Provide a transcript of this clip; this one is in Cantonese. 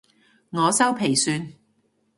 我修皮算